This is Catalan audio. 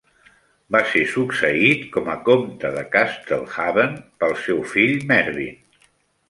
Va ser succeït com a comte de Castlehaven pel seu fill, Mervyn.